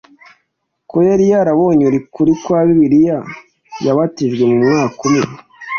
ko yari yabonye ukuri kwa bibiliya yabatijwe mu mwaka umwe